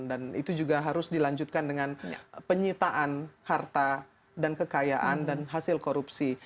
dan itu juga harus dilanjutkan dengan penyitaan harta dan kekayaan dan hasil korupsi